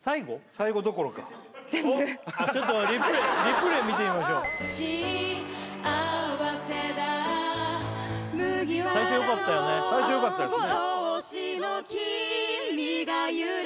最後どころかちょっとリプレイ見てみましょう幸せだ最初よかったよね最初よかったですね